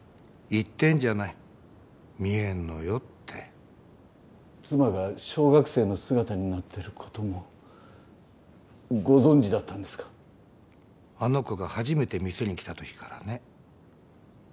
言ってんじゃないみえんのよって妻が小学生の姿になってることもご存じだったんですかあの子が初めて店に来たときからね